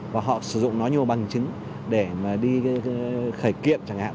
và họ sử dụng nó như một bằng chứng để mà đi khởi kiệm chẳng hạn